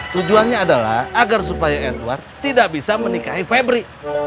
tujuannya adalah agar supaya edward tidak bisa menikahi febri